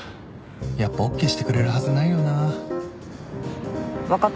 やっぱ ＯＫ してくれるはずないよな分かった。